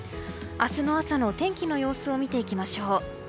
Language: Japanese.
明日朝の天気の様子を見ていきましょう。